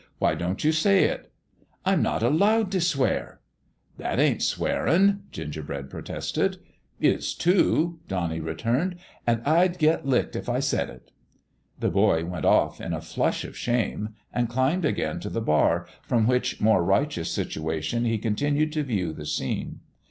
" Why don't you say it? "" I'm not allowed to swear." " That ain't swearin'," Gingerbread protested. " Is, too !" Donnie returned ;" and I'd get licked if I said it." The boy went off, in a flush of shame, and climbed again to the bar, from which more righteous situation he continued to view the scene.